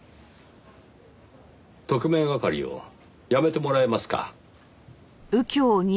特命係を辞めてもらえますか。